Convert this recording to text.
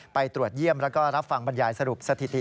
ไปตรวจเยี่ยมแล้วก็รับฟังบรรยายสรุปสถิติ